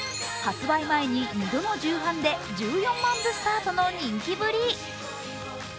発売前に２度の重版で１４万部スタートの人気ぶり。